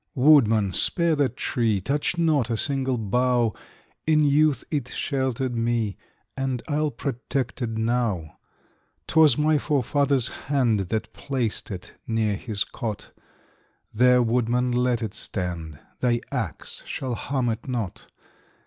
Woodman, spare that tree! Touch not a single bough! In youth it sheltered me, And I'll protect it now. 'T was my forefather's hand That placed it near his cot; There, woodman, let it stand. Thy ax shall harm it not!